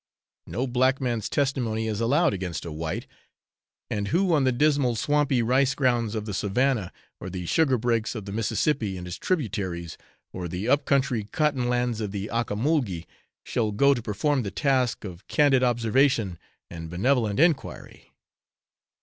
No black man's testimony is allowed against a white, and who on the dismal swampy rice grounds of the Savannah, or the sugar brakes of the Mississippi and its tributaries, or the up country cotton lands of the Ocamulgee, shall go to perform the task of candid observation and benevolent enquiry?